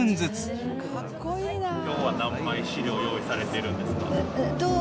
きょうは何枚資料用意されてるんですか？